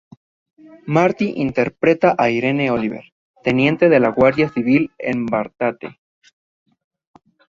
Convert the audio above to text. Marty interpreta a Irene Oliver, teniente de la Guardia Civil en Barbate.